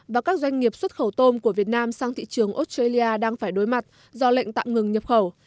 và các doanh nghiệp xuất khẩu tôm của việt nam sang thị trường australia đang phải đối mặt do lệnh tạm ngừng nhập khẩu